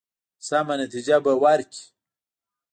سمه نتیجه به ورکړي.